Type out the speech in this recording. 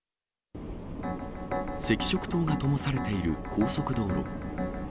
赤色灯がともされている高速道路。